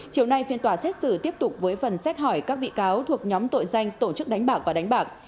chiều nay phiên tòa xét xử tiếp tục với phần xét hỏi các bị cáo thuộc nhóm tội danh tổ chức đánh bạc và đánh bạc